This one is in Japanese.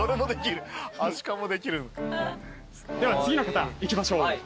では次の方いきましょう。